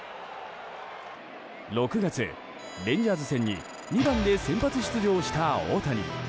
６月、レンジャーズ戦に２番で先発出場した大谷。